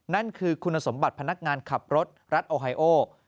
นั่นคือคุณสมบัติพนักงานขับรถรัฐโอไฮโอ